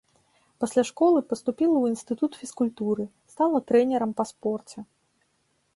Пасля школы паступіла ў інстытут фізкультуры, стала трэнерам па спорце.